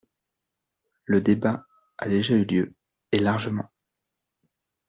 Le débat a déjà eu lieu, et largement.